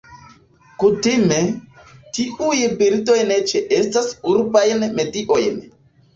Kutime, tiuj birdoj ne ĉeestas urbajn mediojn.